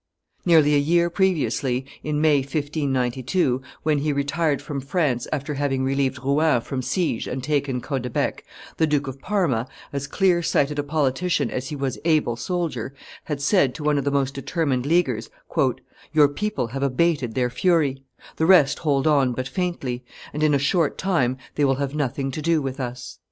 Nearly a year previously, in May, 1592, when he retired from France after having relieved Rouen from siege and taken Caudebec, the Duke of Parma, as clear sighted a politician as he was able soldier, had said to one of the most determined Leaguers, "Your people have abated their fury; the rest hold on but faintly, and in a short time they will have nothing to do with us."